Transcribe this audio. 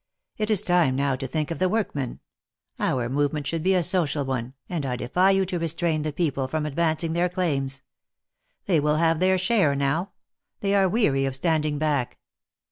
It is time now to think of the workman. Our movement should be a social one, and I defy you to restrain the people from advancing their claims. They will have their share now : they are weary of standing back